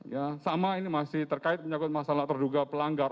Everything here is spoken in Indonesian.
ya sama ini masih terkait menyakut masalah terduga pelanggar